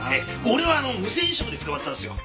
俺はあの無銭飲食で捕まったんすよ。